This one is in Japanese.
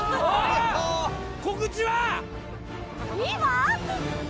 今⁉